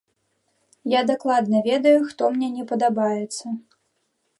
Я дакладна ведаю, хто мне не падабаецца.